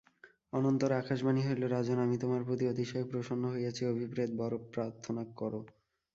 অনন্তর আকাশবাণী হইল রাজন আমি তোমার প্রতি অতিশয় প্রসন্ন হইয়াছি অভিপ্রেত বর প্রার্থনা কর।